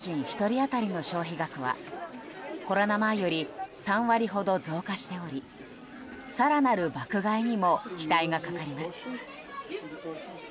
日本へ観光に来た外国人１人当たりの消費額はコロナ前より３割ほど増加しており更なる爆買いにも期待がかかります。